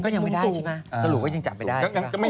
ก็ยังไม่ได้ใช่ไหมสรุปว่ายังจับไม่ได้ใช่ไหม